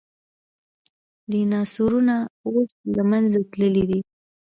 ډیناسورونه اوس له منځه تللي دي